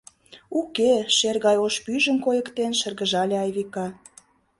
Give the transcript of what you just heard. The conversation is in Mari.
— Уке, — шер гай ош пӱйжым койыктен, шыргыжале Айвика.